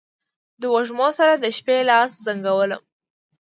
د وږمو سره، د شپې لاس زنګولم